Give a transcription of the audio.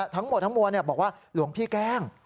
ทั้งหมวดบอกว่าหลวงพี่แกล้ง